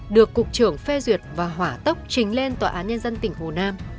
được cục trưởng phê duyệt và hỏa tốc trình lên tòa án nhân dân tỉnh hồ nam